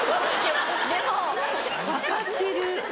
でも分かってる。